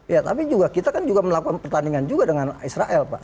ya tapi juga kita kan juga melakukan pertandingan juga dengan israel pak